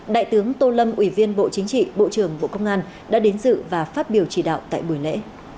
đại tướng tô lâm ủy viên bộ chính trị bộ trưởng bộ công an đã đến dự và phát biểu chỉ đạo tại buổi lễ